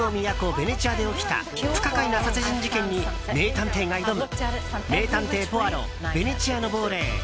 ベネチアで起きた不可解な殺人事件に名探偵が挑む「名探偵ポアロ：ベネチアの亡霊」。